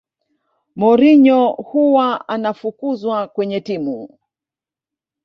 mourinho huwa anafukuzwakwenye timu